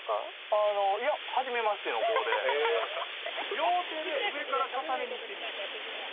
両手で上から重ねにいってみ。